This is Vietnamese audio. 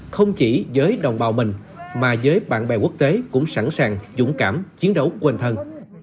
không chỉ với đồng bào mình mà giới bạn bè quốc tế cũng sẵn sàng dũng cảm chiến đấu quên thân